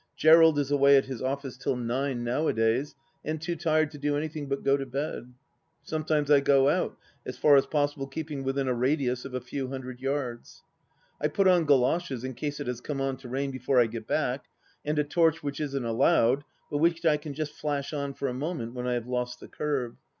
Gerald is away at his office till nine nowadays, and too tired to do anything but go to bed. Sometimes I go out, as far as possible keeping within a radius of a few hundred yards. I put on goloshes in case it has come on to rain before I get back, and a torch which isn't allowed, but which I can just flash on for a moment when I have lost the kerb.